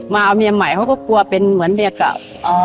มาเอาเมียใหม่เขาก็กลัวเป็นเหมือนเมียเก่า